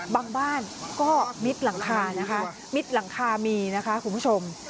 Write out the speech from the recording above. บางบ้านก็มิดหลังคานะคะมิดหลังคามีนะคะคุณผู้ชม